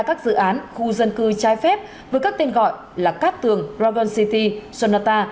các dự án khu dân cư trái phép với các tên gọi là cát tường ravon city sonata